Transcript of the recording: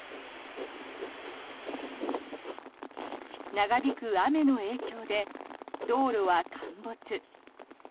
長引く雨の影響で道路は陥没。